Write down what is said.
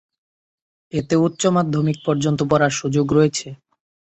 এতে উচ্চ মাধ্যমিক পর্যন্ত পড়ার সুযোগ রয়েছে।